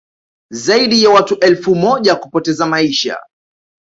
zaidi ya watu elfu moja kupoteza maisha